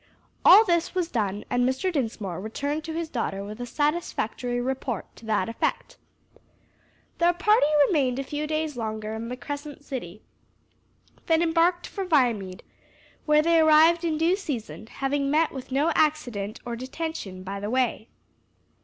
All this was done and Mr. Dinsmore returned to his daughter with a satisfactory report to that effect. Their party remained a few days longer in the Crescent City, then embarked for Viamede, where they arrived in due season, having met with no accident or detention by the way.